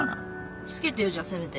つけてよじゃあせめて。